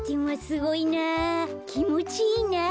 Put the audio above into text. きもちいいなあ。